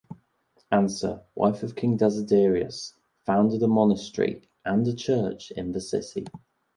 Ansa, wife of King Desiderius, founded a monastery and a church in the city.